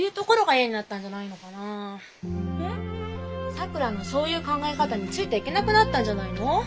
さくらのそういう考え方についていけなくなったんじゃないの？